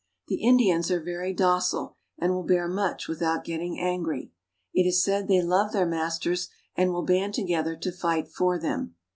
The Indians are very docile, and will bear much with out getting angry. It is said they love their masters and will band together to fight for them.